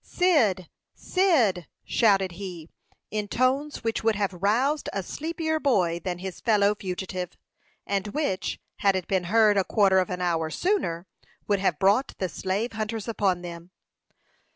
"Cyd! Cyd!" shouted he, in tones which would have roused a sleepier boy than his fellow fugitive, and which, had it been heard a quarter of an hour sooner, would have brought the slave hunters upon them.